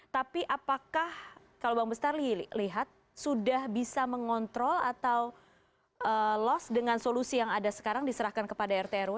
tapi apakah kalau bang bestari lihat sudah bisa mengontrol atau loss dengan solusi yang ada sekarang diserahkan kepada rtrw